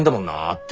って。